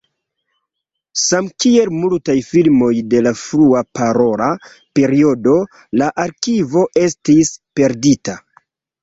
Samkiel multaj filmoj de la frua parola periodo, la arkivo estis perdita.